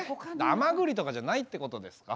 甘ぐりとかじゃないってことですか？